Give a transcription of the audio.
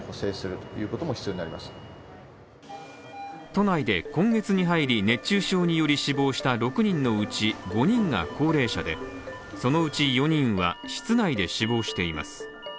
都内で今月に入り熱中症により死亡した６人のうち５人が高齢者でそのうち４人は室内で死亡しています。